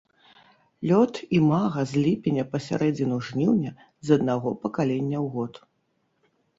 Лёт імага з ліпеня па сярэдзіну жніўня з аднаго пакалення ў год.